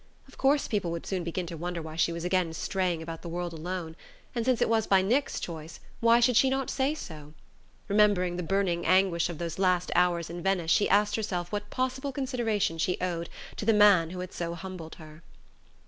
Of course people would soon begin to wonder why she was again straying about the world alone; and since it was by Nick's choice, why should she not say so? Remembering the burning anguish of those last hours in Venice she asked herself what possible consideration she owed to the man who had so humbled her.